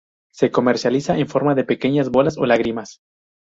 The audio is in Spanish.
Se comercializa en forma de pequeñas bolas o lágrimas.